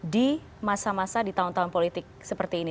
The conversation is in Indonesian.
di masa masa di tahun tahun politik seperti ini